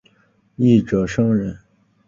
一者生忍。